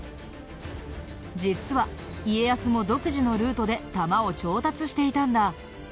実は家康も独自のルートで弾を調達していたんだ。